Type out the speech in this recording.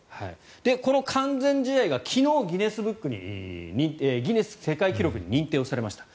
この完全試合が昨日ギネス世界記録に認定されました。